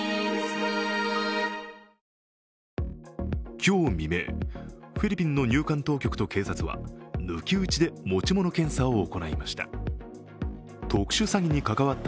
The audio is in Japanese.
今日未明、フィリピンの入管当局と警察は抜き打ちで持ち物検査を行いました。